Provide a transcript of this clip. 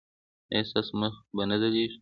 ایا ستاسو مخ به نه ځلیږي؟